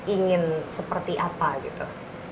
ingin seperti apa gitu